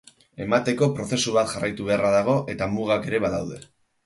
Emateko prozesu bat jarraitu beharra dago eta mugak ere badaude.